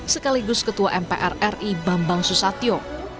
sekaligus ketua mpr ri bambang susatyo